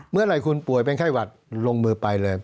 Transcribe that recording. เมื่อไหร่คุณป่วยเป็นไข้หวัดลงมือไปเลย